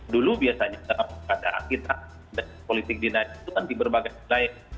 dulu biasanya dalam keadaan kita politik dinasti itu kan di berbagai wilayah